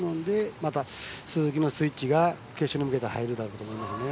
また、鈴木のスイッチが決勝に向けて入るだろうと思います。